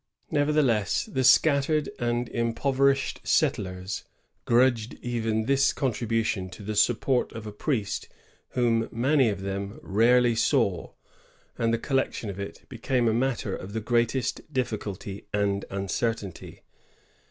Nevertheless, the scattered and impoverished settlers grudged even this contribution to the support of a priest whom many of them rarely saw; and the collection of it became a matter of the greatest difficulty and uncertainty.